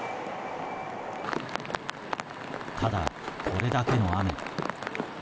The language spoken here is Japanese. ただ、これだけの雨。